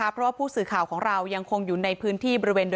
เพราะผู้สื่อข่าวยังคงอยู่ในประเทศ